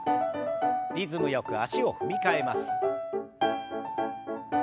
リズムよく足を踏み替えます。